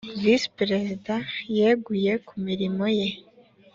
visi perezida yeguye ku mirimo ye